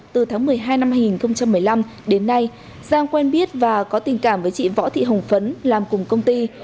từ tháng một mươi hai năm hai nghìn một mươi năm đến nay giang quen biết và có tình cảm với chị võ thị hồng phấn làm cùng công ty